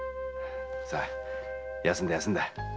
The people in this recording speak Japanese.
さあ休んだ休んだ。